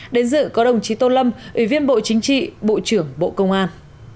đến dự có đồng chí tô lâm ủy viên bộ chính trị bộ trưởng bộ công an